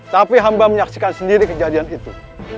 tapi hamba menyaksikan sendiri kejadian itu